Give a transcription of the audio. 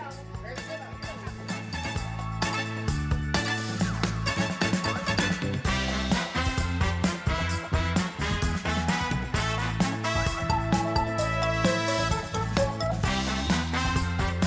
อาจจะตายแมงต่างกับพวกชาย